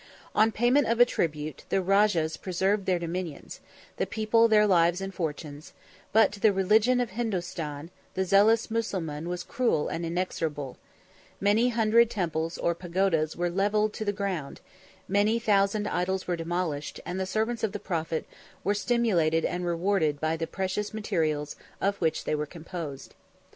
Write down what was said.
On the payment of a tribute, the rajahs preserved their dominions; the people, their lives and fortunes; but to the religion of Hindostan the zealous Mussulman was cruel and inexorable: many hundred temples, or pagodas, were levelled with the ground; many thousand idols were demolished; and the servants of the prophet were stimulated and rewarded by the precious materials of which they were composed.